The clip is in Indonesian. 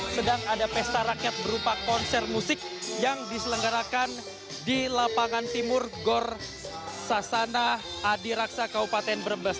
sedang ada pesta rakyat berupa konser musik yang diselenggarakan di lapangan timur gor sasana adi raksa kabupaten brebes